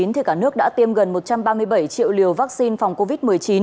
cả nước đã tiêm gần một trăm ba mươi bảy triệu liều vaccine phòng covid một mươi chín